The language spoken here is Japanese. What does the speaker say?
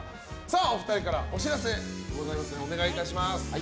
お二人からお知らせがございますのでお願いいたします。